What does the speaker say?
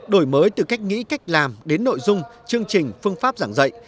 đổi mới từ cách nghĩ cách làm đến nội dung chương trình phương pháp giảng dạy